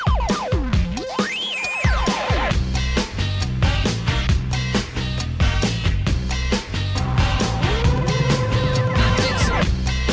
หน่อยอุปกรณ์ช่วยสนับสนุนให้พลัง